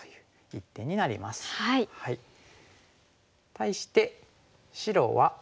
対して白は。